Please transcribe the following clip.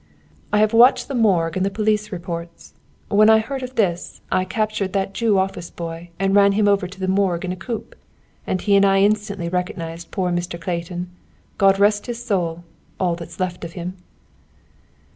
"I have watched the morgue and all the police reports. When I heard of this, I captured that Jew office boy, ran him over to the morgue in a coupe, and he and I instantly recognized poor Mr. Clayton. God rest his soul, all that's left of him!"